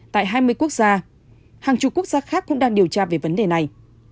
tại hai mươi quốc gia hàng chục quốc gia khác cũng đang điều tra về vấn đề này